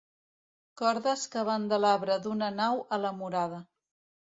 Cordes que van de l'arbre d'una nau a la murada.